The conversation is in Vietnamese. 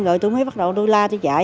rồi tôi mới bắt đầu đôi la tôi chạy